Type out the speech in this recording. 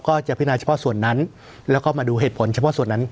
ก็จะพินาเฉพาะส่วนนั้นแล้วก็มาดูเหตุผลเฉพาะส่วนนั้น